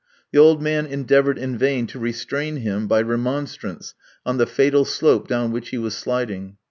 The old man endeavoured in vain to restrain him by remonstrance on the fatal slope down which he was sliding.